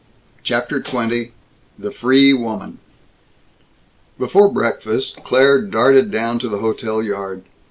CHAPTER XX THE FREE WOMAN Before breakfast, Claire darted down to the hotel yard.